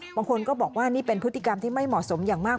บางคนก็บอกว่านี่เป็นพฤติกรรมที่ไม่เหมาะสมอย่างมาก